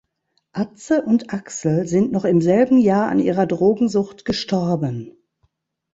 Atze und Axel sind noch im selben Jahr an ihrer Drogensucht gestorben.